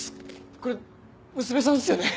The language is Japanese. これ娘さんですよね？